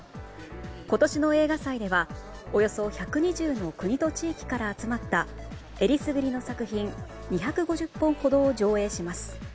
今年の映画祭では、およそ１２０の国と地域から集まったえりすぐりの作品２５０本ほどを上映します。